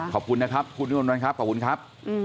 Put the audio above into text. ขอบคุณนะครับคุณวันวันครับ